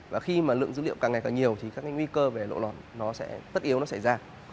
và khi mà lượng dữ liệu càng ngày càng nhiều thì các cái nguy cơ về lộ lọt nó sẽ tất yếu nó xảy ra